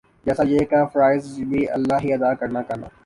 جَیسا یِہ کا فرائض بھی اللہ ہی ادا کرنا گانا